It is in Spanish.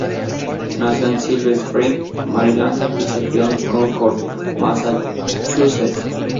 Nació en Silver Spring, Maryland y se crio en Concord, Massachusetts.